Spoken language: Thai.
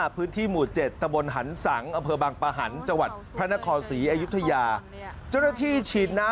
พื้นที่หมู่เจ็ดตะบนหันสังอเผือบางปะหัน